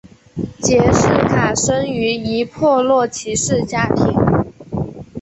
杰式卡生于一破落骑士家庭。